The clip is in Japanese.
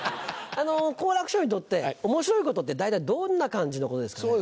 好楽師匠にとって面白いことって大体どんな感じのことですかね？